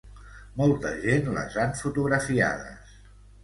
Molta gent les han fotografiades.